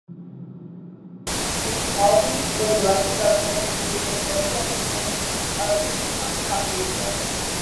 Duhalde was elected governor, ending the political influence of Cafiero.